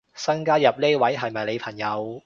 新加入呢位係咪你朋友